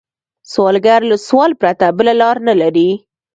سوالګر له سوال پرته بله لار نه لري